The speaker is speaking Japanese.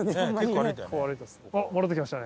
あっ戻ってきましたね。